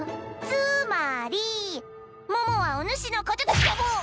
つまり桃はおぬしのことがだもっ！